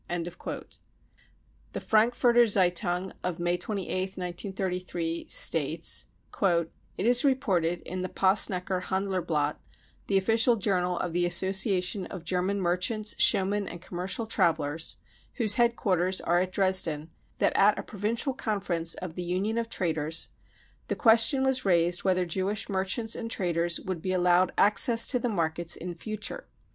* The Frankfurter Zeitung of May 28th, 1933, states :" It is reported in the Possnecker Handlerblatt , the official journal of the Association of German Merchants, Show men and Commercial Travellers, whose headquarters are at Dresden, that at a provincial conference of the Union of Traders the question was raised whether Jewish merchants and traders would be allowed access to the markets in future.